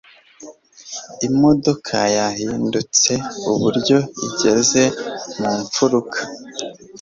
Imodoka yahindutse iburyo igeze mu mfuruka